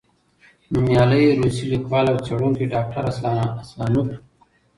نومیالی روسی لیکوال او څېړونکی، ډاکټر اسلانوف،